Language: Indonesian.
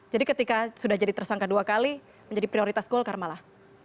jadi ketika sudah jadi tersangka dua kali menjadi prioritas golkar malah